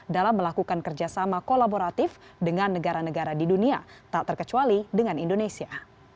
dalam melakukan kerjasama kolaboratif dengan negara negara di dunia tak terkecuali dengan indonesia